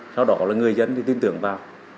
sau đó là người dân tin tưởng vào